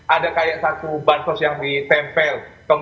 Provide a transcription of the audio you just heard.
ada kayak satu bansos yang ditempel